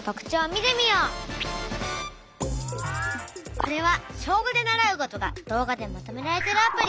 これは小５で習うことが動画でまとめられてるアプリ。